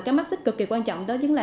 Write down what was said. cái mắc xích cực kỳ quan trọng đó chính là